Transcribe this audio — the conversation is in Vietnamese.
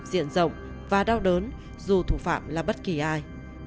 diện rộng và đau đớn dù thủ phạm là bất kỳ ai